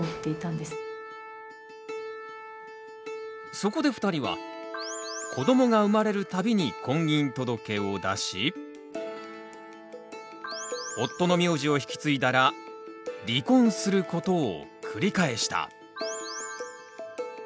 そこで２人は子どもが生まれるたびに婚姻届を出し夫の名字を引き継いだら離婚することを繰り返した。